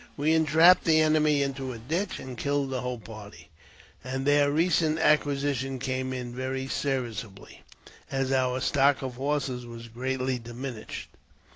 We entrapped the enemy into a i ditch and kjjled the whole party, and their recent acquisition came in very serviceably, as our stock of horses was greatly diminished.